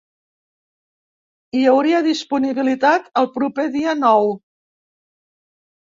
Hi hauria disponibilitat el proper dia nou.